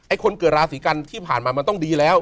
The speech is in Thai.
คนเกิดราศีกันที่ผ่านมามันต้องดีแล้ว